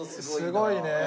すごいね。